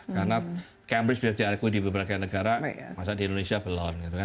karena cambridge bisa diakui di beberapa negara masa di indonesia belum